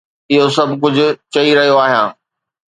اهو سڀ ڪجهه چئي رهيو آهيان